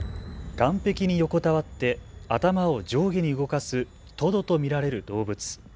岸壁に横たわって頭を上下に動かすトドと見られる動物。